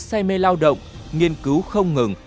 say mê lao động nghiên cứu không ngừng